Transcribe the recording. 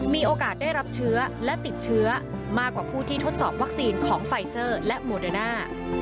มีโอกาสได้รับเชื้อและติดเชื้อมากกว่าผู้ที่ทดสอบวัคซีนของไฟเซอร์และโมเดอร์น่า